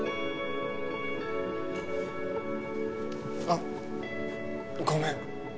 あっごめん！